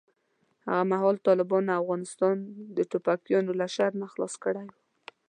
هغه مهال طالبانو افغانستان د ټوپکیانو له شر نه خلاص کړی و.